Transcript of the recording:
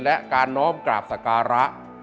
และการน้อมกราบสการะ